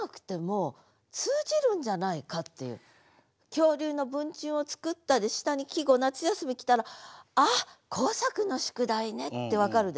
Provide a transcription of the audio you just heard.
「恐竜の文鎮を作った」で下に季語「夏休」来たら「あっ工作の宿題ね」って分かるでしょ。